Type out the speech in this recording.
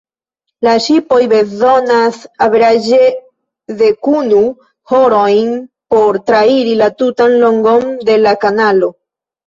La ŝipoj bezonas averaĝe dekunu horojn por trairi la tutan longon de la kanalo.